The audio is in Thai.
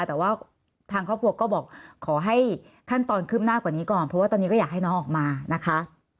แต่ว่าทางครอบครัวก็บอกขอให้ขั้นตอนขึ้นหน้ากว่านี้ก่อนเพราะว่าตอนนี้ก็อยากให้น้องออกมานะคะ